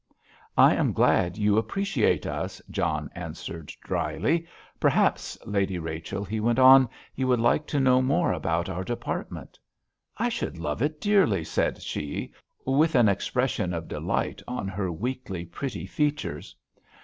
"I am glad you appreciate us," John answered dryly; "perhaps, Lady Rachel," he went on, "you would like to know more about our department?" "I should love it dearly," said she, with an expression of delight on her weakly pretty features.